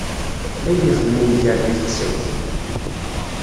Ayen ixdem umger di texsayt.